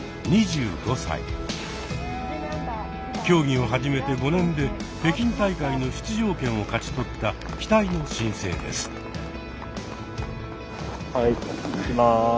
競技を始めて５年で北京大会の出場権を勝ち取った期待の新星です。